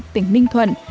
tỉnh ninh thuận